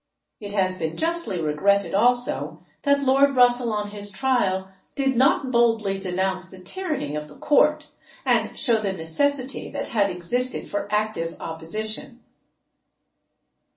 It has been justly regretted also that Lord Russell on his trial did not boldly denounce the tyranny of the court, and show the necessity that had existed for active opposition.